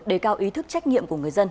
đề cao ý thức trách nhiệm của người dân